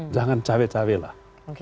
jangan care care lah